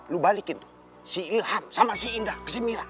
lu balikin si ilham sama si indah ke si mira